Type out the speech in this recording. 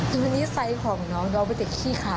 คือนิสัยของน้องน้องเป็นเด็กขี้ขา